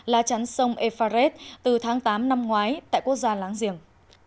la chán sông efaret từ tháng tám năm ngoái tại quốc gia láng giềng